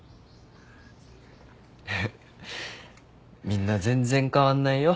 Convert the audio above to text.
みんな全然変わんないよ。